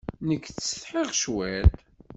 Nekk ttsetḥiɣ cwiṭ.